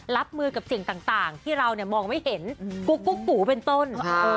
รับมือกับสิ่งต่างที่เรามองไม่เห็นกุ๊กปูเป็นต้น